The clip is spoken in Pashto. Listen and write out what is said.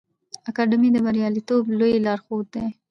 اکامي د بریالیتوب لوی لارښود دی.